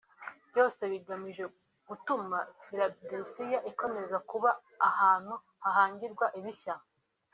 byose bigamije gutuma Philadelphia ikomeza kuba ahantu hahangirwa ibishya